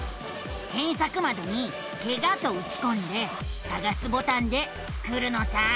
けんさくまどに「ケガ」とうちこんでさがすボタンでスクるのさ！